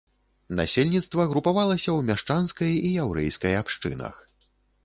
Насельніцтва групавалася ў мяшчанскай і яўрэйскай абшчынах.